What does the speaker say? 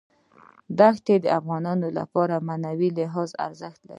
دښتې د افغانانو لپاره په معنوي لحاظ ارزښت لري.